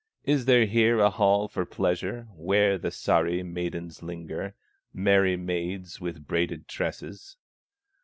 Is there here a hall for pleasure, Where the Sahri maidens linger, Merry maids with braided tresses?"